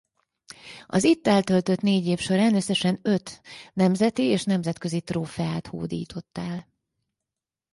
Az itt eltöltött négy év során összesen öt nemzeti és nemzetközi trófeát hódított el.